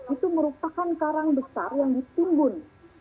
itu merupakan karang besar yang ditimbun